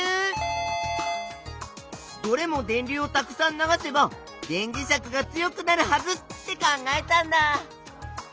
どれも電流をたくさん流せば電磁石が強くなるはずって考えたんだ！